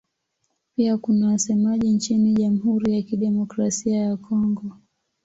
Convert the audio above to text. Pia kuna wasemaji nchini Jamhuri ya Kidemokrasia ya Kongo.